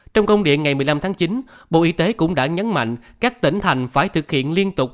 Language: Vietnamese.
trong công điện ngày một mươi năm tháng chín bộ y tế cũng đã nhấn mạnh các tỉnh thành phải thực hiện liên tục